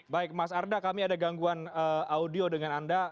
baik mas arda kami ada gangguan audio dengan anda